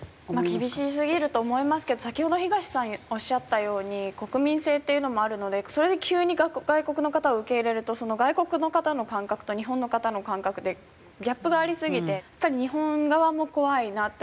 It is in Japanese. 厳しすぎると思いますけど先ほど東さんおっしゃったように国民性っていうのもあるのでそれで急に外国の方を受け入れると外国の方の感覚と日本の方の感覚でギャップがありすぎて日本側も怖いなって思いますし外国から来る側も。